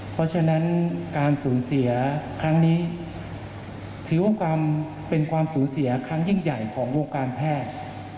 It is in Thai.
เพราะฉะนั้นการสูญเสียครั้งนี้ถือว่าเป็นความสูญเสียครั้งยิ่งใหญ่ของวงการแพทย์